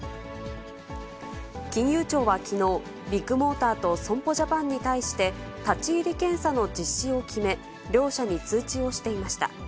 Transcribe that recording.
金融庁はきのう、ビッグモーターと損保ジャパンに対して、立ち入り検査の実施を決め、両社に通知をしていました。